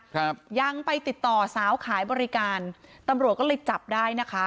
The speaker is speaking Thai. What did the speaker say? ครับยังไปติดต่อสาวขายบริการตำรวจก็เลยจับได้นะคะ